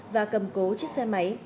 và cầm cố chiếc xe máy